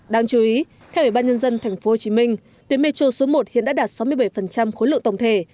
đáng chú ý theo ủy ban nhân dân tp hcm tuyến metro số một hiện đã đạt sáu mươi bảy khối lượng tổng thể